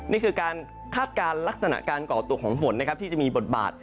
นี่คือการคาดการณ์ลักษณะการก่อตัวของฝนนะครับที่จะมีบทบาท